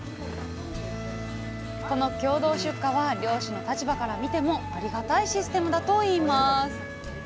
この共同出荷は漁師の立場から見てもありがたいシステムだといいます